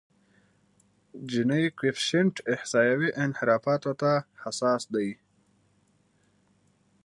جیني کویفشینټ احصایوي انحرافاتو ته حساس دی.